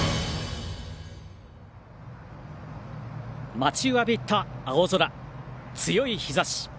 待ちわびた青空強い日ざし。